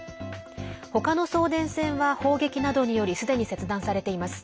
他の送電線は砲撃などによりすでに切断されています。